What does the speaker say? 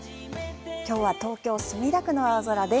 今日は東京・墨田区の青空です。